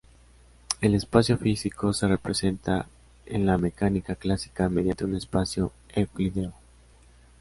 El espacio físico se representa en la Mecánica Clásica mediante un espacio euclídeo.